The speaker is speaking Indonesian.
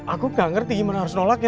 aku gak ngerti gimana harus nolaknya